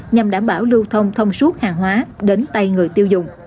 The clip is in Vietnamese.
nhằm đảm bảo lưu thông thông suốt hàng hóa đến tay người tiêu dùng